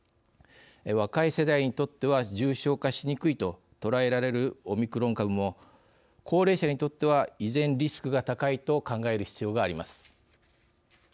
若い世代にとっては重症化しにくいと捉えられるオミクロン株も高齢者にとっては依然、リスクが高いと考える必要があります。